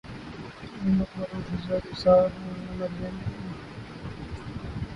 نومولود حضرت عیسی ؑ اور نیم عریاں مریم ؑ کے مجسموں سے تو برکت کا حصول ہو ہی رہا ہے